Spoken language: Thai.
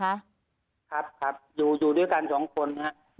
ครับครับอยู่อยู่ด้วยกันสองคนครับ